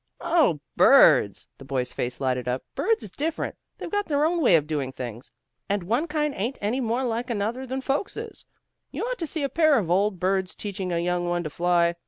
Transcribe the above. "Oh, birds!" The boy's face lighted up. "Birds is different. They've got their own way of doing things, and one kind ain't any more like another than folks is. You ought to see a pair of old birds teaching a young one to fly.